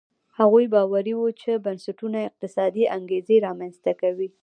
هغوی باوري وو چې بنسټونه اقتصادي انګېزې رامنځته کوي.